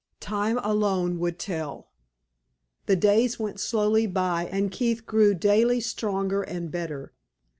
Time alone would tell. The days went slowly by, and Keith grew daily stronger and better.